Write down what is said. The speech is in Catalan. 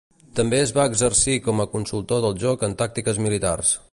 També es va exercir com a consultor del joc en tàctiques militars.